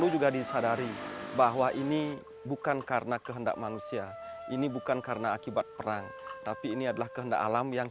yang namanya kehendak alam jelas kekuatan manusia seperti apapun mungkin hasilnya akan dihilangkan kalau kita hadapi kehendak alam tersebut